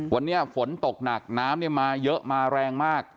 วันนี้ฝนตกหนักน้ำเนี่ยมาเยอะมาแรงมาก